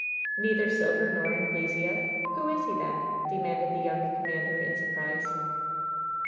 "Neither Silver nor Anglesea? Who is he, then?" demanded the young commander, in surprise.